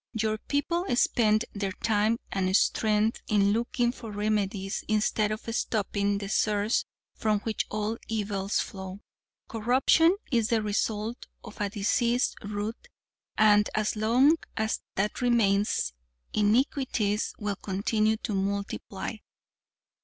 Your people spend their time and strength in looking for remedies instead of stopping the source from which all evils flow. Corruption is the result of a diseased root and as long as that remains, iniquities will continue to multiply.